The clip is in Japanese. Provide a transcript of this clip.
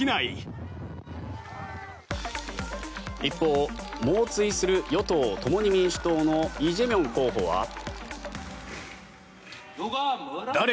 一方、猛追する与党・共に民主党のイ・ジェミョン候補は。